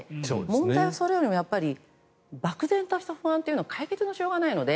問題はそれよりも漠然とした不安というのは解決しようがないので。